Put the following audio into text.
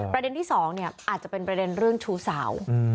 ประเด็นที่๒อาจจะเป็นประเด็นเรื่องชู้สาว